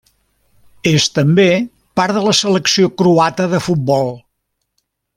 És també part de la selecció croata de futbol.